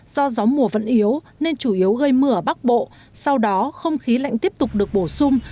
do gió mùa vẫn yếu nên chủ yếu gây mưa ở bắc bộ sau đó không khí lạnh tiếp tục được bổ sung